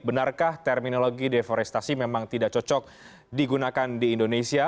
benarkah terminologi deforestasi memang tidak cocok digunakan di indonesia